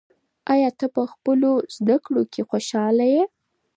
آیا ته په خپلو زده کړو کې خوشحاله یې؟